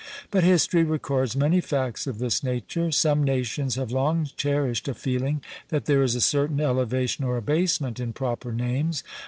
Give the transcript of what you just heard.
But history records many facts of this nature. Some nations have long cherished a feeling that there is a certain elevation or abasement in proper names.